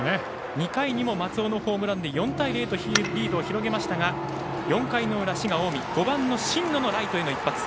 ２回にも松尾のホームランで４対０とリードを広げましたが４回の裏、滋賀・近江５番の新野のライトへの一発。